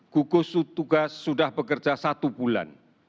gugus tugas sudah bekerja satu bulan